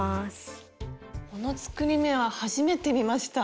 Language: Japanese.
この作り目は初めて見ました。